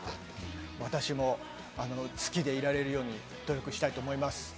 私も好きでいられるように努力したいと思います。